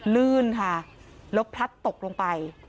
ลื่นค่ะแล้วพลัดตกลงไป